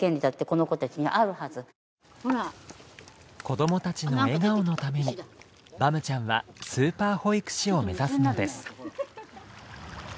子どもたちの笑顔のためにバムちゃんはスーパー保育士を目指すのです。